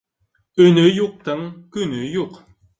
Өнө юҡтың көнө юҡ.